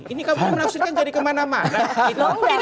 ini kamu menafsirkan jadi kemana mana gitu